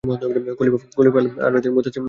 খলিফা আল-মুসতাসিম গ্রেপ্তার হন।